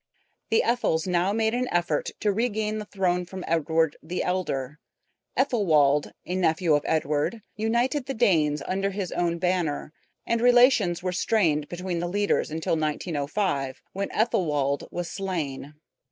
The Ethels now made an effort to regain the throne from Edward the Elder. Ethelwold, a nephew of Edward, united the Danes under his own banner, and relations were strained between the leaders until 905, when Ethelwold was slain.